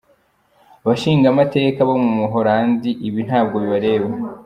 “Bashingamateka bo mu Buhorandi, ibi ntabwo bibareba!